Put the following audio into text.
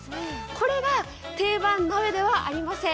これが定番鍋ではありません。